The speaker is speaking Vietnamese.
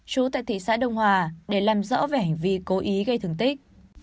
chú tại thị xã đông hòa để làm rõ về hành vi cố ý gây thương tích